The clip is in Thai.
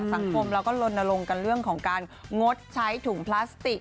สังคมเราก็ลนลงกันเรื่องของการงดใช้ถุงพลาสติก